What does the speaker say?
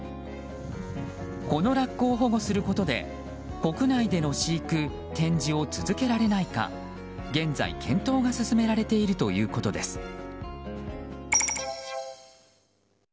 このラッコを保護することで国内での飼育・展示を続けられないか現在、検討が進められているということです。